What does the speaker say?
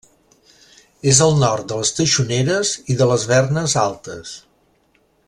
És al nord de les Teixoneres i de les Vernes Altes.